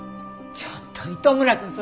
ちょっと糸村くん